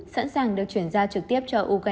sẵn sàng được chuyển giao trực tiếp